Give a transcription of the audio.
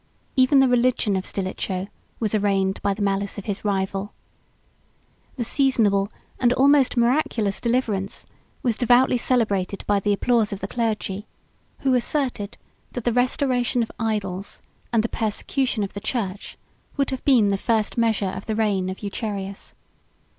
Even the religion of Stilicho was arraigned by the malice of his rival. The seasonable, and almost miraculous, deliverance was devoutly celebrated by the applause of the clergy; who asserted, that the restoration of idols, and the persecution of the church, would have been the first measure of the reign of Eucherius.